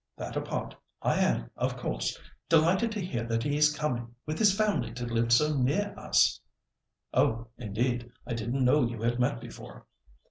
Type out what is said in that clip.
That apart, I am, of course, delighted to hear that he is coming with his family to live so near us." "Oh! indeed; I didn't know you had met before."